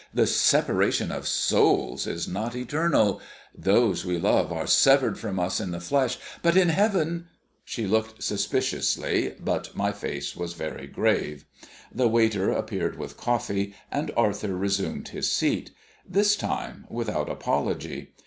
"The Separation of Souls is not Eternal. Those we love are severed from us in the flesh, but in Heaven " She looked suspiciously, but my face was very grave. The waiter appeared with coffee, and Arthur resumed his seat, this time without apology.